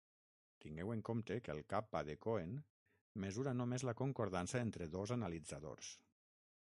Tingueu en compte que el kappa de Cohen mesura només la concordança entre dos analitzadors.